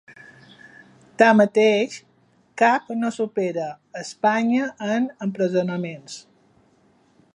Tanmateix, cap no supera Espanya en empresonaments.